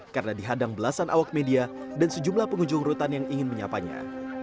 karena dihadang belasan awak media dan sejumlah pengunjung rutan yang ingin menyapanya